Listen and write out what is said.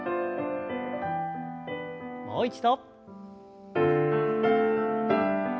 もう一度。